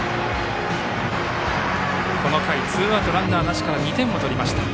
この回ツーアウトランナーなしから２点を取りました。